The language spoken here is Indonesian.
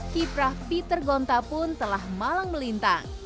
kiprah peter gonta pun telah malang melintang